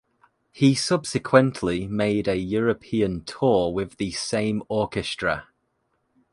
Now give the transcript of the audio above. He subsequently made a European tour with the same orchestra.